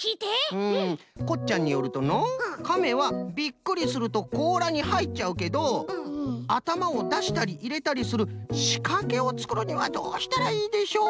こっちゃんによるとのう「カメはびっくりするとこうらにはいっちゃうけどあたまをだしたりいれたりするしかけをつくるにはどうしたらいいでしょう？」とのことです。